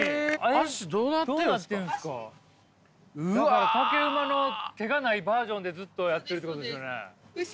だから竹馬の手がないバージョンでずっとやってるってことですよね？